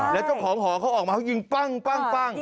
แล้วก็ของหอเขาออกมากินปั้งปั้งปั้ง